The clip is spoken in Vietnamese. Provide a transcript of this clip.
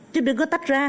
chứ đừng có tắt ra